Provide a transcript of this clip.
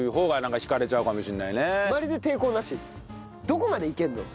どこまでいけるの？